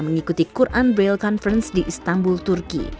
mengikuti quran braille conference di istanbul turki